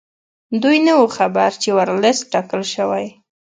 دوی نه وو خبر چې ورلسټ ټاکل شوی.